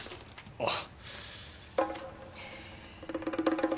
あっ。